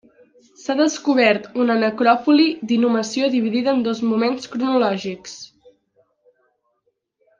S'ha descobert una necròpoli d'inhumació dividida en dos moments cronològics.